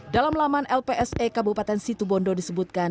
dalam laman lpse kabupaten situbondo disebutkan